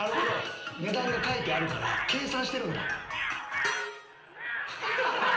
値段が書いてあるから計算してるんだ。